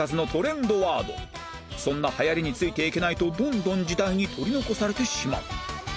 そんな流行りについていけないとどんどん時代に取り残されてしまう